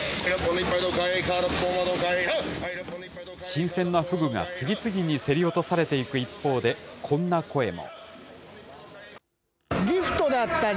新鮮なフグが次々に競り落とされていく一方で、こんな声も。